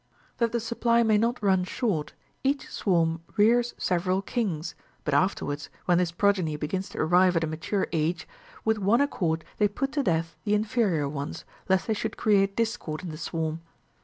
That the supply may not run short, each swarm rears seve ral kings ; but afterwards, when this progeny begins to arrive at a mature age, with one accord56 they put to death the in ferior ones, lest they should create discord in the swarm.